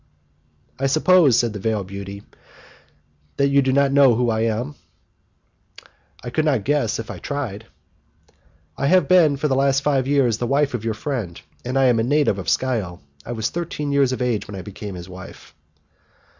"I suppose," said the veiled beauty, "that you do not know who I am?" "I could not guess, if I tried." "I have been for the last five years the wife of your friend, and I am a native of Scio. I was thirteen years of age when I became his wife."